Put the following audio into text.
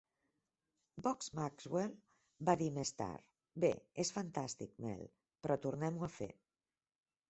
Bob Maxwell va dir més tard: Bé, és fantàstic, Mel, però tornem-ho a fer.